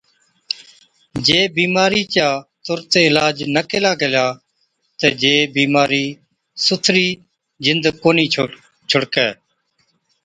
جي بِيمارِي چا تُرت عِلاج نہ ڪلا گيلا تہ جي بِيمارِي سُٿرِي جِند ڪونهِي ڇُڙڪَي۔